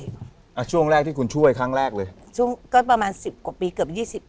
ประมาณ๑๐กว่าปีจะเป็น๒๐ปี